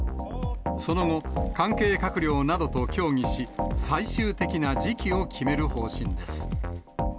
その後、関係閣僚などと協議し、最終的な時期を決める方針です。